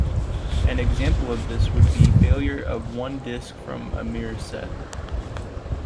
An example of this would be failure of one disk from a mirror set.